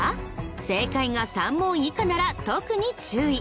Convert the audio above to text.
正解が３問以下なら特に注意。